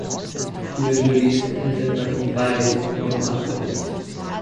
He was released from prison but he violated parole afterwards.